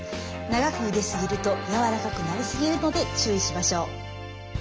長くゆですぎるとやわらかくなりすぎるので注意しましょう。